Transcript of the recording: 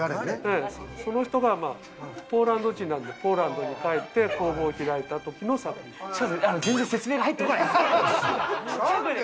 その人がポーランド人なんで、ポーランドに帰って工房開いた時全然、説明が入ってこない。